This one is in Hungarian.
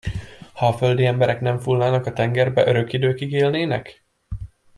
Ha a földi emberek nem fúlnának a tengerbe, örök időkig élnének?